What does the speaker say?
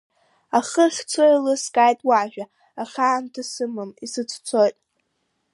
Ахы ахьцо еилыскааит уажәа, аха аамҭа сымам, исыцәцоит…